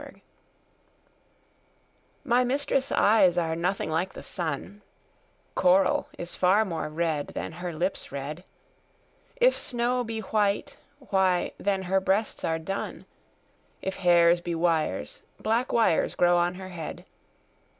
CXXX My mistress' eyes are nothing like the sun; Coral is far more red, than her lips red: If snow be white, why then her breasts are dun; If hairs be wires, black wires grow on her head.